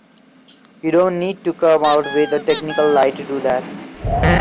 You don't need to come out with a technical lie to do that.